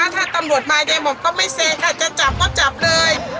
ถ้าตำรวจมาเนี่ยม่อมก็ไม่เส้นค่ะจะจับก็จับเลย